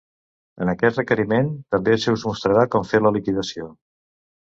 En aquest requeriment també se us mostrarà com fer la liquidació.